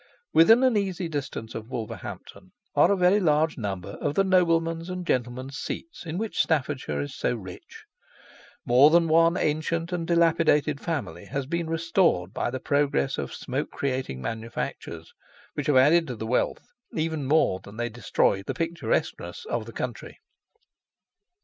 Within an easy distance of Wolverhampton are a very large number of the noblemen's and gentlemen's seats, in which Staffordshire is so rich; more than one ancient and dilapidated family has been restored by the progress of smoke creating manufactures, which have added to the wealth even more than they destroyed the picturesqueness of the country.